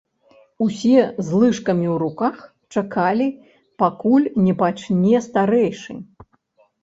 Усе з лыжкамі ў руках чакалі, пакуль не пачне старэйшы.